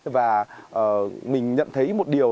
và mình nhận thấy một điều